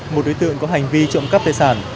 một đối tượng có hành vi trộm cắp tài sản